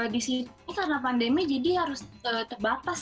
di sini karena pandemi jadi harus terbatas